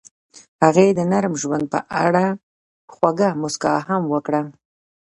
هغې د نرم ژوند په اړه خوږه موسکا هم وکړه.